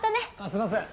すいません